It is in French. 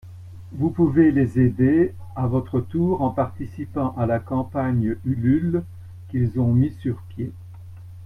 vous pouvez les aider à votre tour en participant à la campagne Ulule qu'ils ont mis sur pied.